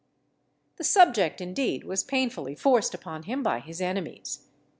The subject indeed was painfully forced upon him by his enemies.